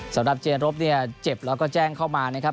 เจนรบเนี่ยเจ็บแล้วก็แจ้งเข้ามานะครับ